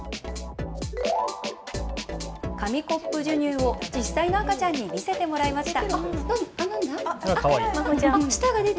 紙コップ授乳を実際の赤ちゃんに見せてもらいました。